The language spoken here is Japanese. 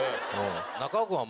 中尾君は「○」。